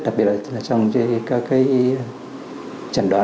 đặc biệt là trong các cái chẩn đoán